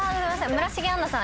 村重杏奈さん